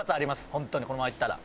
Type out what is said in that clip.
本当にこのままいったら。